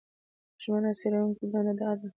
ژمن څېړونکي دنده دا ده